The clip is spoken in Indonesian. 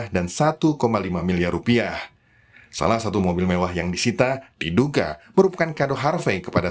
dan satu lima miliar rupiah salah satu mobil mewah yang disita diduga merupakan kado harvey kepada